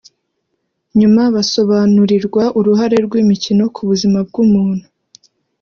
nyuma basobanurirwa uruhare rw’imikino ku buzima bw’umuntu